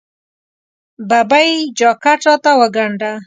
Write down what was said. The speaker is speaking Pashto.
ببۍ! جاکټ راته وګنډه.